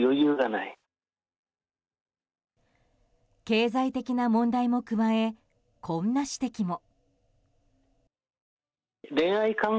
経済的な問題も加えこんな指摘も。